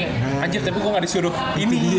anjir tapi gua ga disuruh ini